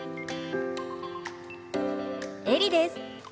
エリです！